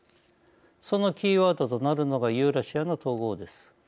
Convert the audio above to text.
そのキーワードとなるのがユーラシアの統合です。